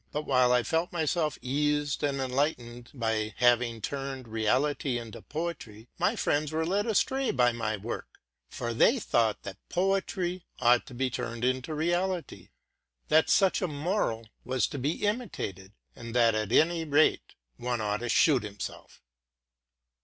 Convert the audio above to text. But, while I felt relieved and enlightened by having turned reality into poetry, my friends were led astray 168 TRUTH AND FICTION by my work ; for they thought that poetry ought to be turned into reality, that such a moral was to be imitated, and that, at any rate, one ought to shoot one's self.